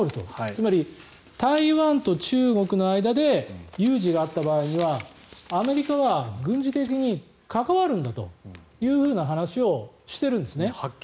つまり、台湾と中国の間で有事があった場合にはアメリカは軍事的に関わるんだという話をしているんですね。